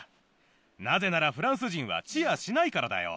なぜならフランス人はチアしないからだよ。